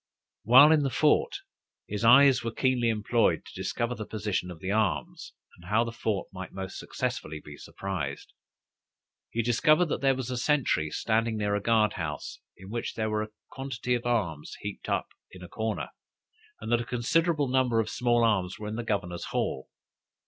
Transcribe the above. While in the fort, his eyes were keenly employed to discover the position of the arms, and how the fort might most successfully be surprised. He discovered that there was a sentry standing near a guard house, in which there were a quantity of arms heaped up in a corner, and that a considerable number of small arms were in the governor's hall.